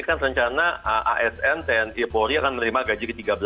kan rencana asn tni polri akan menerima gaji ke tiga belas